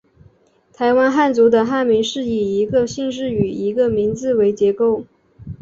台湾汉族的汉名是以一个姓氏与一个名字为结构。